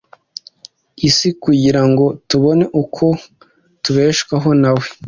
isi kugira ngo tubone uko tubeshwaho na we